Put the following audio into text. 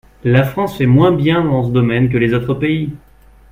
La France fait moins bien dans ce domaine que les autres pays.